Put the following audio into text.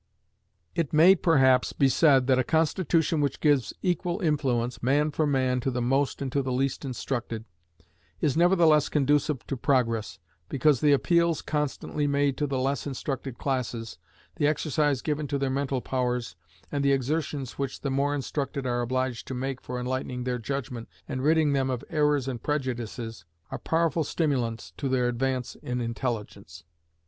It may, perhaps, be said, that a constitution which gives equal influence, man for man, to the most and to the least instructed, is nevertheless conducive to progress, because the appeals constantly made to the less instructed classes, the exercise given to their mental powers, and the exertions which the more instructed are obliged to make for enlightening their judgment and ridding them of errors and prejudices, are powerful stimulants to their advance in intelligence.